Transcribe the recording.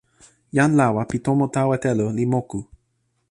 jan lawa pi tomo tawa telo li moku.